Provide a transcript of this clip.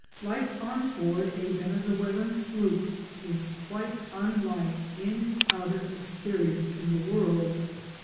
Life on board a Venezuelan sloop is quite unlike any other experience in the world.